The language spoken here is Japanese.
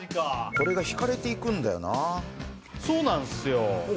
これが引かれていくんだよなそうなんっすよ